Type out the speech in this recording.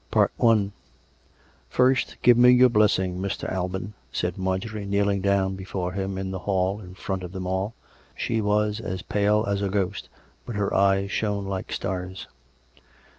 CHAPTER V " First give me your blessing, Mr. Alban," said Marjorie, kneeling down before him in the hall in front of them all. She was as pale as a ghost, but her eyes shone like stars.